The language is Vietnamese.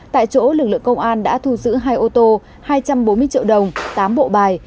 tại chỗ lực lượng công an đã thu giữ hai ô tô hai trăm bốn mươi triệu đồng tám bộ bài